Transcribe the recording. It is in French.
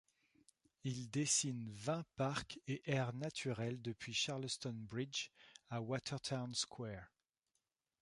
Ils dessinent vingt parcs et aires naturelles depuis Charlestown Bridge à Watertown Square.